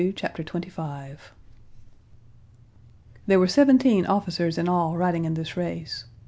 Chapter 25 There were seventeen officers in all riding in this race.